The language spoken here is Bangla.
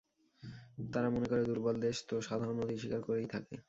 তারা মনে করে, দুর্বল দেশ তো সাধারণত নতি স্বীকার করেই থাকে।